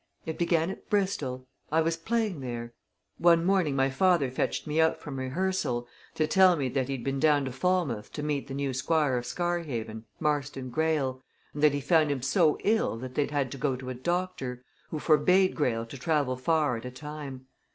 It began at Bristol. I was playing there. One morning my father fetched me out from rehearsal to tell me that he'd been down to Falmouth to meet the new Squire of Scarhaven, Marston Greyle, and that he found him so ill that they'd had to go to a doctor, who forbade Greyle to travel far at a time.